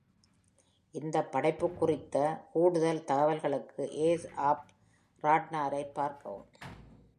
இந்த படைப்பு குறித்த கூடுதல் தகவல்களுக்கு ஏர்ல் ஆஃப் ராட்னாரை பார்க்கவும்.